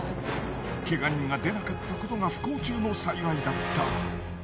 ケガ人が出なかったことが不幸中の幸いだった。